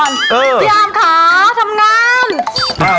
ยาอ่ำพี่ค่ะทำงาน